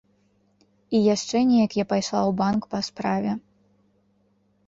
І яшчэ неяк я пайшла ў банк па справе.